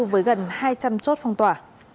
với gần hai trăm linh chốt phong tỏa